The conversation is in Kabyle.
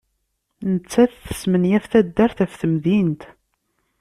Nettat tesmenyaf taddart ɣef temdint.